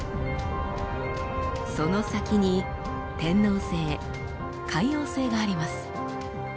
その先に天王星海王星があります。